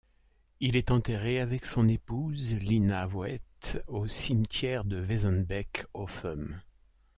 Il est enterré avec son épouse Lina Voet au cimetière de Wezembeek-Ophem.